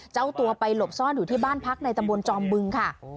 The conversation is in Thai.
เจ้าตัวไปหลบซ่อนอยู่ที่บ้านพรรคในตะโมนจอมฟรึง